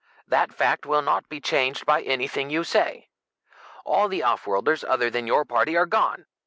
That fact will not be changed by anything you say. All the offworlders other than your party are gone.